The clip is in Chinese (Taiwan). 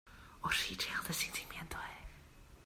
我是以這樣的心情面對